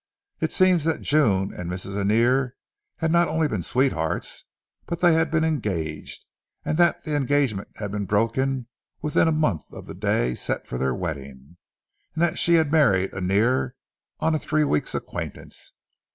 It seems that June and Mrs. Annear had not only been sweethearts, but that they had been engaged, and that the engagement had been broken within a month of the day set for their wedding, and that she had married Annear on a three weeks' acquaintance.